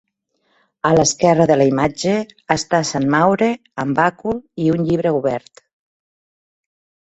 A l'esquerra de la imatge està sant Maure amb bàcul i un llibre obert.